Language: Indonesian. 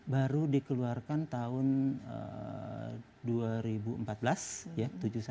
baru dikeluarkan tahun dua ribu empat belas ya